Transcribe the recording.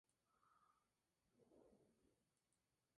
El film trata de la historia de un forzudo judío en Alemania.